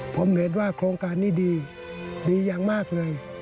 ผมเห็นว่าโครงการนี้ดีดีอย่างมากเลย